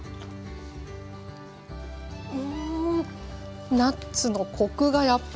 うんナッツのコクがやっぱり。